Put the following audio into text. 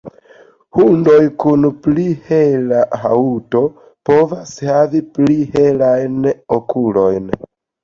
Hundoj kun pli hela haŭto povas havi pli helajn okulojn.